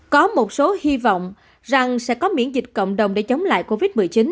có một số hy vọng rằng sẽ có miễn dịch cộng đồng để chống lại covid một mươi chín